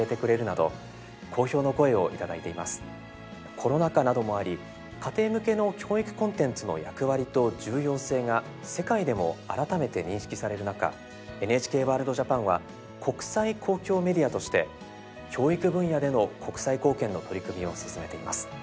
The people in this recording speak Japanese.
コロナ禍などもあり家庭向けの教育コンテンツの役割と重要性が世界でも改めて認識される中「ＮＨＫワールドＪＡＰＡＮ」は国際公共メディアとして教育分野での国際貢献の取り組みを進めています。